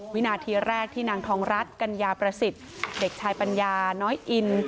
วินาทีแรกที่นางทองรัฐกัญญาประสิทธิ์เด็กชายปัญญาน้อยอิน